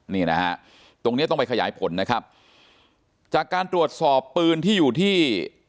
นี่นะฮะตรงเนี้ยต้องไปขยายผลนะครับจากการตรวจสอบปืนที่อยู่ที่